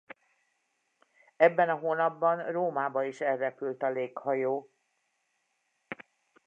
Ebben a hónapban Rómába is elrepült a léghajó.